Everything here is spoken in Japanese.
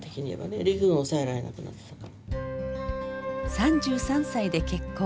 ３３歳で結婚。